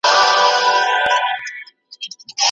زه به خپله څېړنه په وخت ختمه کړم.